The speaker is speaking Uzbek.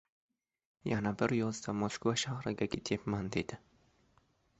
Yana bir yozda, Moskva shahriga ketyapmandedi.